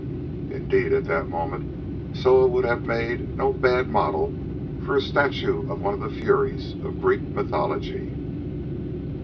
Indeed, at that moment Soa would have made no bad model for a statue of one of the furies of Greek mythology.